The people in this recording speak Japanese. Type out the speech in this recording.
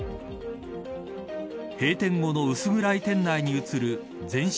閉店後の薄暗い店内に映る全身